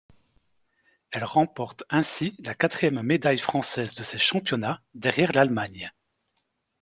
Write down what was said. Elle remporte ainsi la quatrième médaille française de ces championnats, derrière l'Allemagne.